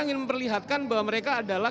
ingin memperlihatkan bahwa mereka adalah